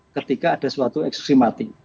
ketika ada suatu eksekusi mati